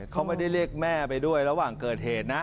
เขาไม่ได้เรียกแม่ไปด้วยระหว่างเกิดเหตุนะ